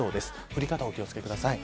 降り方、お気を付けください。